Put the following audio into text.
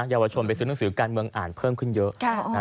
เยาวชนไปซื้อหนังสือการเมืองอ่านเพิ่มขึ้นเยอะ